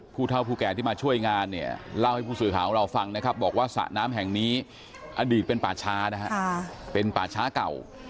ผู้เท่าผู้แก่ที่มาช่วยงานเนี่ยเล่าให้ผู้สื่อข่าวของเราฟังนะครับบอกว่าสระน้ำแห่งนี้อดีตเป็นป่าช้านะฮะเป็นป่าช้าเก่า